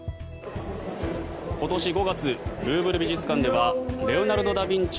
今年５月、ルーブル美術館ではレオナルド・ダ・ビンチ